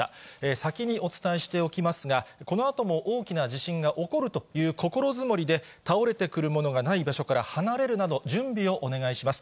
先にお伝えしておきますが、このあとも大きな地震が起こるという心づもりで、倒れてくるものがない場所から離れるなど、準備をお願いします。